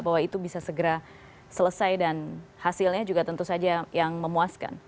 bahwa itu bisa segera selesai dan hasilnya juga tentu saja yang memuaskan